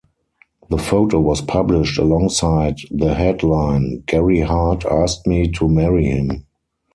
The photo was published alongside the headline "Gary Hart Asked Me to Marry Him".